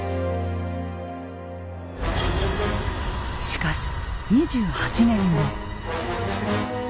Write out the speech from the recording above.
しかし２８年後。